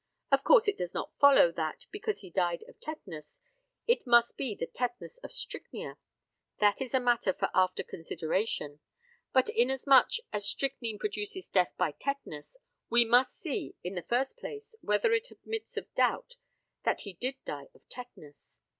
Of course it does not follow that, because he died of tetanus, it must be the tetanus of strychnia. That is a matter for after consideration. But, inasmuch as strychnine produces death by tetanus, we must see, in the first place, whether it admits of doubt that he did die of tetanus.